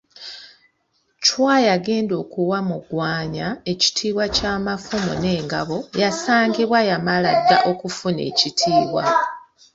Chwa yagenda okuwa Mugwanya ekitiibwa ky'Amafumu n'Engabo, yasangibwa yamala dda okufuna ekitiibwa.